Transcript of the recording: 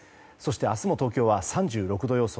明日も東京は３６度予想。